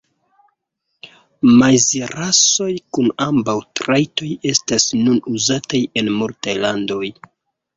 Maizrasoj kun ambaŭ trajtoj estas nun uzataj en multaj landoj.